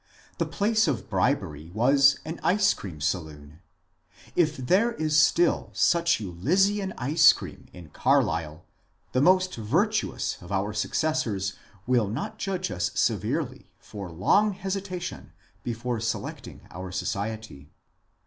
The place of bribery was an ice cream saloon. If there is still such Elysian ice cream in Carlisle the most virtuous of our successors will not judge us severely for long hesitation before selecting our society.